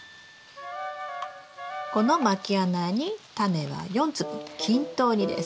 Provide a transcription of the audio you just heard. このまき穴にタネは４粒均等にです。